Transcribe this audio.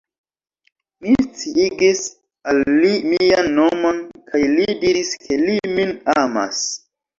Mi sciigis al li mian nomon kaj li diris ke li min amas.